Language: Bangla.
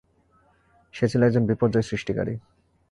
সে ছিল একজন বিপর্যয় সৃষ্টিকারী।